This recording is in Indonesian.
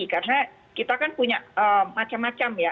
karena kita kan punya macam macam ya